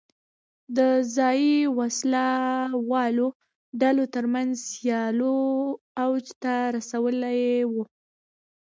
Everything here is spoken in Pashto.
د ځايي وسله والو ډلو ترمنځ سیالیو اوج ته رسولې وه.